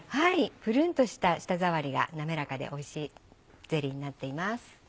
プルンとした舌触りが滑らかでおいしいゼリーになっています。